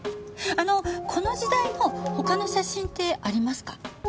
あのこの時代の他の写真ってありますか？